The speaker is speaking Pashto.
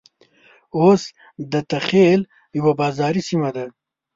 اوس دته خېل يوه بازاري سيمه ده.